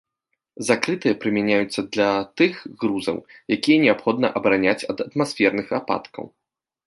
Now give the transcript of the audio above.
Закрытыя прымяняюцца для тых грузаў, якія неабходна абараняць ад атмасферных ападкаў.